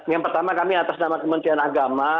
yang pertama kami atas nama kementerian agama